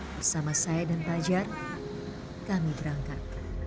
bersama saya dan fajar kami berangkat